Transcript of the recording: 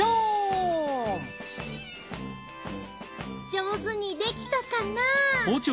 上手にできたかな？